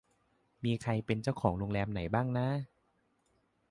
มีใครเป็นเจ้าของโรงแรมไหนบ้างน้า